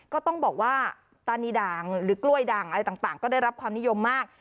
ก็ต้องบอกว่าตานีด่างหรือกล้วยด่างอะไรต่างก็ได้รับความนิยมมาก